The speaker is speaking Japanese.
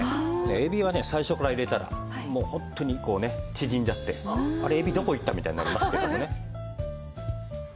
海老はね最初から入れたらもう本当に縮んじゃってあれ海老どこいった？みたいになりますけどもね。